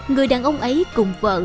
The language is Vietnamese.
người đàn ông ấy cùng vợ